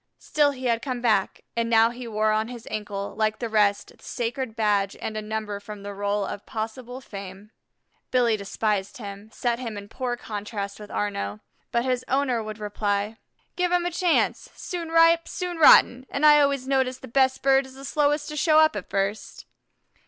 Still he had come back; and now he wore on his ankle, like the rest, the sacred badge and a number from the roll of possible fame. Billy despised him, set him in poor contrast with Arnaux, but his owner would reply: "Give him a chance;'soon ripe, soon rotten,' an' I always notice the best bird is the slowest to show up at first."